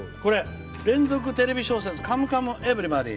連続テレビ小説「カムカムエヴリバディ」。